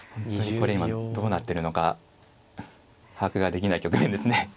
今どうなってるのか把握ができない局面ですね。